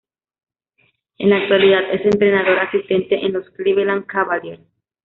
En la actualidad es entrenador asistente en los Cleveland Cavaliers.